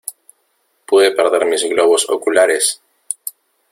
Pude perder mis globos oculares...